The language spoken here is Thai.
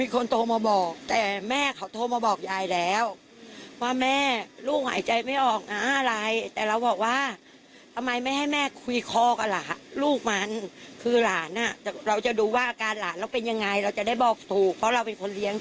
เค้าคงไม่รู้เรื่องอะไร